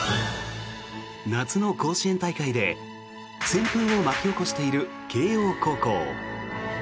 夏の甲子園大会で旋風を巻き起こしている慶応高校。